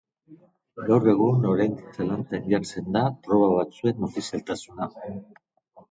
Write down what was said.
Gaur egun, oraindik zalantzan jartzen da proba batzuen ofizialtasuna.